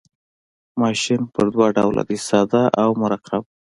ماشین په دوه ډوله دی ساده او مرکب.